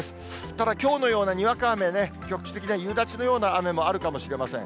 ただきょうのようなにわか雨ね、局地的な夕立のような雨もあるかもしれません。